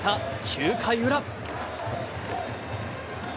９回裏。